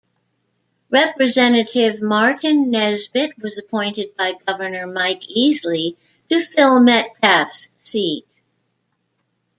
Representative Martin Nesbitt was appointed by Governor Mike Easley to fill Metcalf's seat.